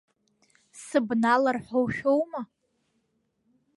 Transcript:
Сыбналар ҳәа ушәома?